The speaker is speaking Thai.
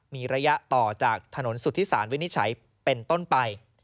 มีระยะต่อจากถนนสุธิสารวินิจฉัยเป็นต้นไป